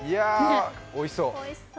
おいしそう！